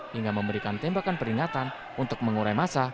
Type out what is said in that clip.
hingga memberikan tembakan peringatan untuk mengurai masa